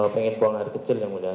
pengen buang air kecil yang mudah